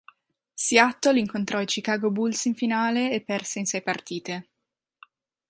Seattle incontrò i Chicago Bulls in finale e perse in sei partite.